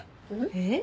えっ？